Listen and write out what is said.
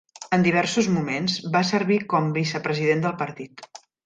En diversos moments, va servir com vicepresident del partit.